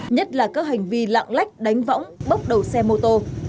nhất là các hành vi lạng lách đánh võng bốc đầu xe mô tô